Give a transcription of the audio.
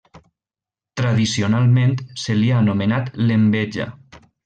Tradicionalment se li ha anomenat l'Enveja.